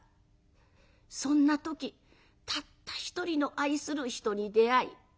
そんな時たった一人の愛する人に出会い